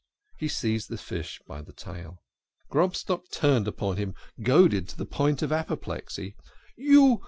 He seized the fish by the tail. Grobstock turned upon him, goaded to the point of apoplexy. " You